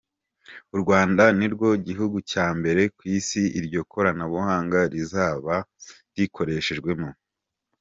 U Rwanda nirwo gihugu cya mbere ku isi, iryo koranabuhanga rizaba rikoreshejwemo.